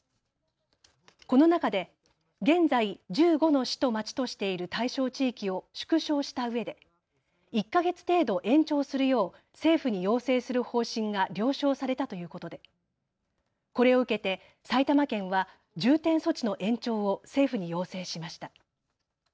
この中で現在１５の市と町としている対象地域を縮小したうえで１か月程度、延長するよう政府に要請する方針が了承されたということでこれを受けて埼玉県は重点措置の延長を政府に要請しました。